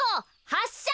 はっしゃ！